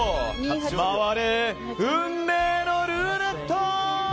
回れ、運命のルーレット！